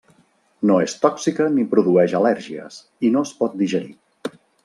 No és tòxica ni produeix al·lèrgies, i no es pot digerir.